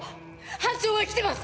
班長は生きてます！